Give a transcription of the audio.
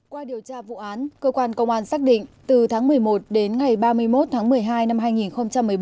qua điều tra vụ án cơ quan công an xác định từ tháng một mươi một đến ngày ba mươi một tháng một mươi hai năm hai nghìn một mươi bốn